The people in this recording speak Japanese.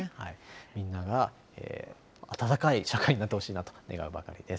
みんなが温かい社会になってほしいなと願うばかりです。